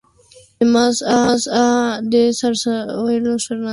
Además de zarzuelas, Fernández Caballero compuso música profana y religiosa.